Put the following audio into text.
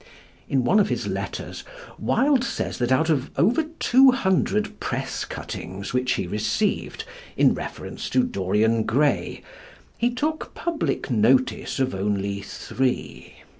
In one of his letters Wilde says that out of over two hundred press cuttings which he received in reference to Dorian Gray he took public notice of only three.